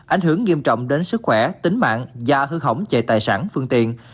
ảnh hưởng nghiêm trọng đến sức khỏe tính mạng và hư hỏng về tài sản phương tiện